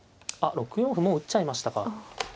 あっ６四歩もう打っちゃいましたか。